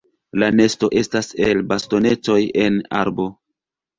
La nesto estas el bastonetoj en arbo.